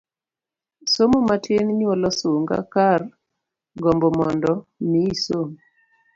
Somo matin nyuolo sunga kar gombo mondo mi isom.